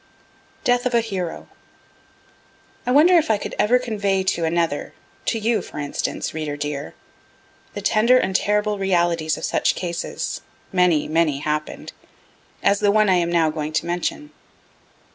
DEATH OF A HERO I wonder if I could ever convey to another to you, for instance, reader dear the tender and terrible realities of such cases, (many, many happen'd,) as the one I am now going to mention.